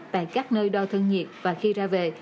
tại các nơi đo thân nhiệt và khi ra về